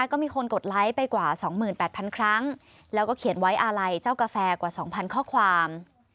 แล้วก็มีคนกดไลค์ไปกว่าสองหมื่นแปดพันครั้งแล้วก็เขียนไว้อาลัยเจ้ากาแฟกว่าสองพันข้อความ